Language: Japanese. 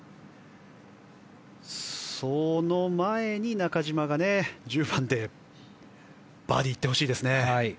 その前に、中島が１０番でバーディーいってほしいですね。